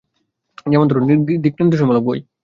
যেমন ধরো, দিকনির্দেশনা মূলক বই।